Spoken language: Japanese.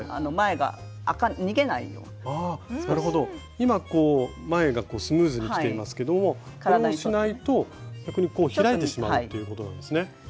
今こう前がスムーズにきていますけどもこれをしないと逆に開いてしまうということなんですね。